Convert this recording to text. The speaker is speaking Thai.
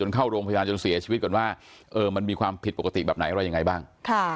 เข้าโรงพยาบาลจนเสียชีวิตก่อนว่ามันมีความผิดปกติแบบไหนอะไรยังไงบ้าง